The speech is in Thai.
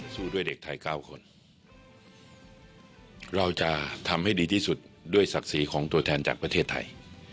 สู้ด้วยเด็กไทย๙คนเราจะทำให้ดีที่สุดด้วยศักดิ์ศรีของตัวแทนจากประเทศไทย